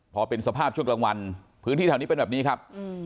พอเป็นสภาพช่วงกลางวันพื้นที่แถวนี้เป็นแบบนี้ครับ